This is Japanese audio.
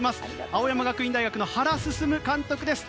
青山学院大学の原晋監督です。